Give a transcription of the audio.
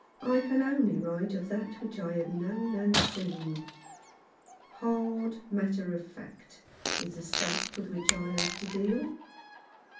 I can only write of that which I have known and seen. Hard matter of fact is the stuff with which I have to deal.